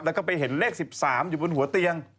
แล้วก็ไปเห็นเลข๑๓อยู่บนหัวเตียง